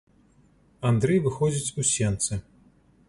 Андрэй выходзіць у сенцы.